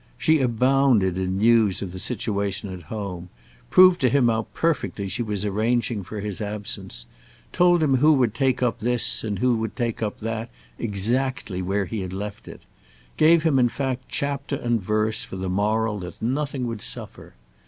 She abounded in news of the situation at home, proved to him how perfectly she was arranging for his absence, told him who would take up this and who take up that exactly where he had left it, gave him in fact chapter and verse for the moral that nothing would suffer.